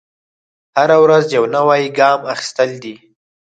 هره ورځ یو نوی ګام اخیستل دی.